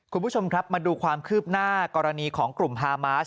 คุณผู้ชมครับมาดูความคืบหน้ากรณีของกลุ่มฮามาส